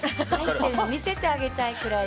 見せてあげたいくらい。